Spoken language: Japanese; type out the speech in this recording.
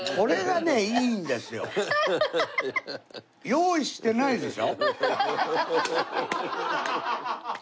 用意してないでしょ？